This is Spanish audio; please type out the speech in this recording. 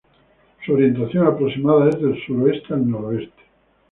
Su orientación aproximada es del suroeste al noreste.